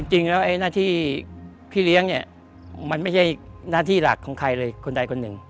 จริงแล้วไอ้หน้าที่พี่เลี้ยงเนี่ยมันไม่ใช่หน้าที่หลักของใครเลยคนใดคนหนึ่ง